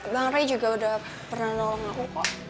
bang ray juga udah pernah nolong aku kok